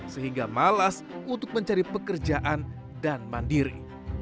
sehingga malas untuk mencari pekerjaan dan mandiri